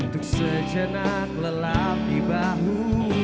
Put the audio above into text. untuk sejenak lelap di bahu